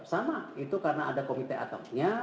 sama itu karena ada komite atapnya